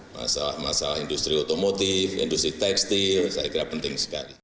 masalah masalah industri otomotif industri tekstil saya kira penting sekali